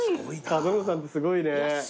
角野さんってすごいね。